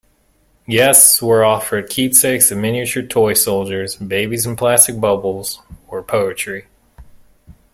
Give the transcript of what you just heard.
Guests were offered keepsakes of miniature toy soldiers, babies in plastic bubbles or poetry.